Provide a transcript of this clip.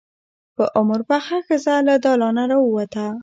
په عمر پخه ښځه له دالانه راووته.